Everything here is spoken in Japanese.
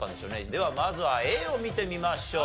ではまずはＡを見てみましょう。